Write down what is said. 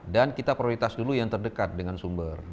dan kita prioritas dulu yang terdekat dengan sumber